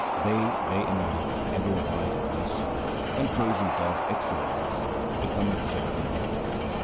They day and night ever abide in bliss, and praising God's excellences become absorbed in Him.